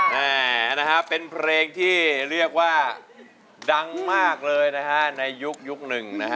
มือเย็นมากเลยนะฮะในยุคหนึ่งนะฮะ